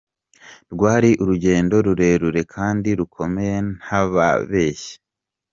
Rwari urugendo rurerure kandi rukomeye ntababeshye”.